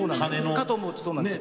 かと思うとそうなんです。